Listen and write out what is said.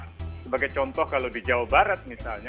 sebagai contoh kalau di jawa barat misalnya